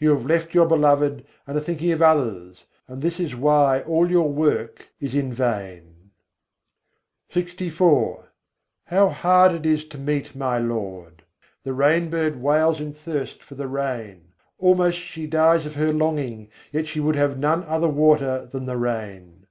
You have left Your Beloved and are thinking of others: and this is why all your work is in vain. LXIV I. 117. sâîn se lagan kathin hai, bhâî Now hard it is to meet my Lord! The rain bird wails in thirst for the rain: almost she dies of her longing, yet she would have none other water than the rain.